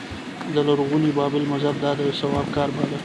د لرغوني بابل مذهب دا د ثواب کار باله